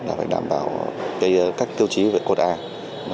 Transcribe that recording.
là phải đảm bảo các tiêu chí về cột ai